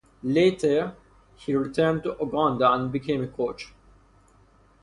Later he returned to Uganda and became a coach.